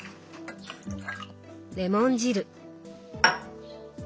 レモン汁。